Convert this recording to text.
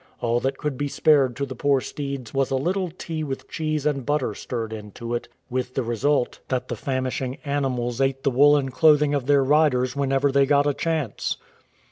All that could be spared to the poor steeds was a little tea with cheese and butter stirred into it, with the result that the famishing 86 IN THE CHUMBI VALLEY animals ate the woollen clothing of their riders whenever they got a chance.